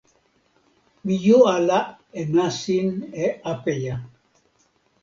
mi jo ala e nasin e apeja.